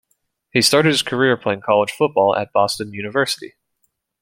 He started his career playing college football at Boston University.